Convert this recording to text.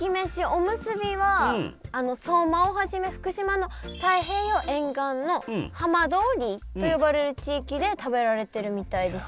おむすびは相馬をはじめ福島の太平洋沿岸の浜通りと呼ばれる地域で食べられてるみたいです。